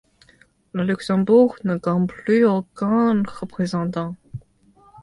La Luxembourg ne compte plus aucun représentant.